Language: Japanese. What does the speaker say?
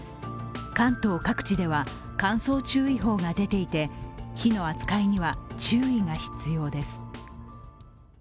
関東各地では乾燥注意報が出ていて火の扱いには注意が必要です。